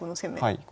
はい。